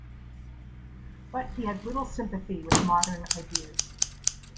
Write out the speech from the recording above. But he had little sympathy with modern ideas.